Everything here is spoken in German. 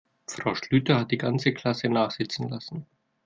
Frau Schlüter hat die ganze Klasse nachsitzen lassen.